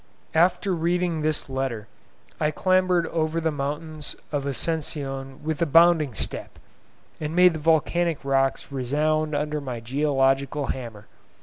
After reading this letter, I clambered over the mountains of Ascension with a bounding step, and made the volcanic rocks resound under my geological hammer.